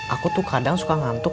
aku tuh kadang suka ngantuk